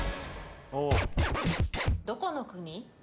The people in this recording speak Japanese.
どこの国？